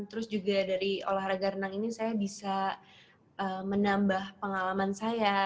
terus juga dari olahraga renang ini saya bisa menambah pengalaman saya